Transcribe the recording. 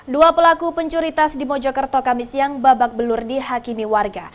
dua pelaku pencuri tas di mojokerto kamisiyang babak belur di hakimi warga